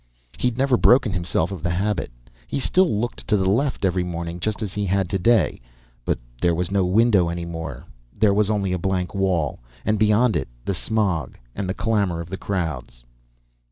He'd never broken himself of the habit. He still looked to the left every morning, just as he had today. But there was no window any more. There was only a blank wall. And beyond it, the smog and the clamor and the crowds.